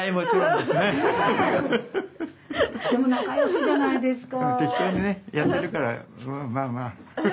でも仲良しじゃないですか。